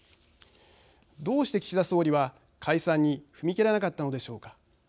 どうして岸田総理は解散に踏み切らなかったのでしょうか。